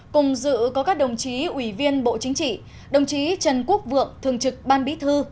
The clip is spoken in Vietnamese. cùng dự có các đồng chí ủy viên bộ chính trị đồng chí trần quốc vượng thường trực ban bí thư